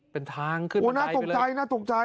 เป็นทางขึ้นมาไกลไปเลยโอ้โฮน่าตกใจ